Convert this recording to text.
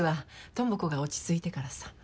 智子が落ち着いてからさ。